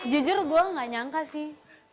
jujur gue gak nyangka sih